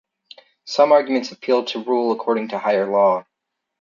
Some arguments appeal to rule according to higher law.